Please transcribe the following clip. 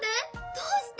どうして？